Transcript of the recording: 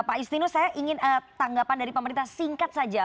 pak justinus saya ingin tanggapan dari pemerintah singkat saja